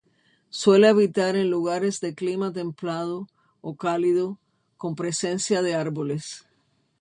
Suele habitar en lugares de clima templado o cálido con presencia de árboles.